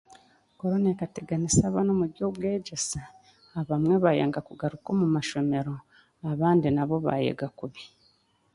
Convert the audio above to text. Korona ekateganisa abaana omu by'obwegyese abamwe baayanga kugaruka omu mashomero abandi nabo bayega kubi